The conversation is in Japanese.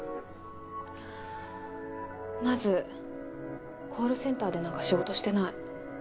まずコールセンターでなんか仕事してない。